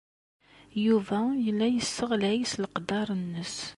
Yuba yella yesseɣlay s leqder-nnes.